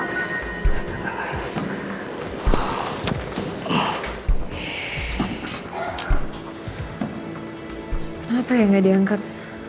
kenapa ya nggak diangkat